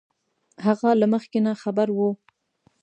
هغه له مخکې نه خبر وو